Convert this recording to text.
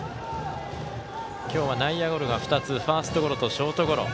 今日は内野ゴロが２つファーストゴロとショートゴロ。